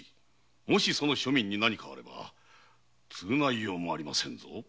もしその庶民に何かあらば償いようもありませんぞ！